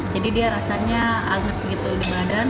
jadi dia rasanya anget gitu di badan